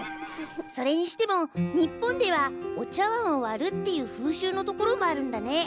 それにしても日本ではお茶碗を割るっていう風習のところもあるんだね。